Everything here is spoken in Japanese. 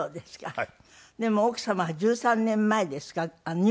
はい。